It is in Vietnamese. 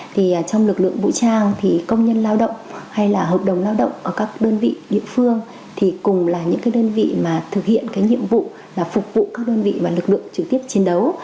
thì trong lực lượng vũ trang thì công nhân lao động hay là hợp đồng lao động ở các đơn vị địa phương thì cùng là những cái đơn vị mà thực hiện cái nhiệm vụ là phục vụ các đơn vị và lực lượng trực tiếp chiến đấu